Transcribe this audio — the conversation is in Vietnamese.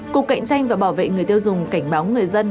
cục cạnh tranh và bảo vệ người tiêu dùng cảnh báo người dân